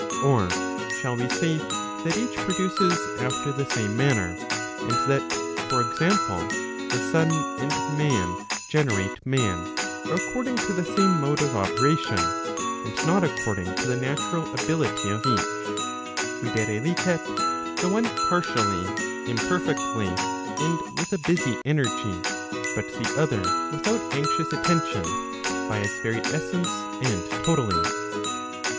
Or shall we say, that each produces after the same manner, and that, for example, the sun and man generate man, according to the same mode of operation, and not according to the natural ability of each, viz. the one partially, imperfectly, and with a busy energy, but the other without anxious attention, by its very essence, and totally